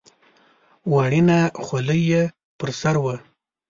وړینه خولۍ یې پر سر وه.